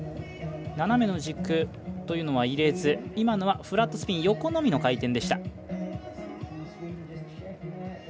斜めの軸というのは入れず今のはフラットスピン横のみの回転でした。